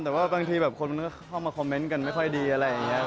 แต่ว่าบางทีแบบคนมันก็เข้ามาคอมเมนต์กันไม่ค่อยดีอะไรอย่างนี้